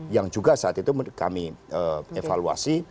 yang juga saat itu kami evaluasi